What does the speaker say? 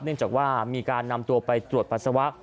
เนื่องจากว่ามีการนำตัวไปตรวจปัสสาวะ